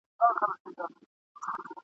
اخره زمانه سوه د چرګانو یارانه سوه ..